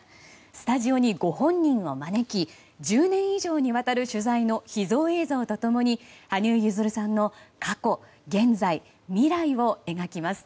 スタジオにご本人を招き１０年以上にわたる取材の秘蔵映像と共に羽生結弦さんの過去、現在、未来を描きます。